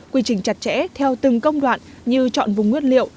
quy trình chặt chẽ theo từng công đoạn như chọn vùng nguyên liệu